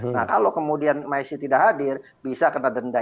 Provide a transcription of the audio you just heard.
nah kalau kemudian messi tidak hadir bisa kena denda